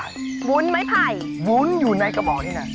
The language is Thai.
มาหามาหาบุ๋นไม่ผ่าย